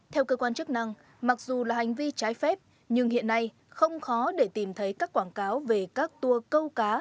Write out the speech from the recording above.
theo cơ quan chức năng mặc dù là hành vi trái phép nhưng hiện nay không khó để tìm thấy các quảng cáo về các tour câu cá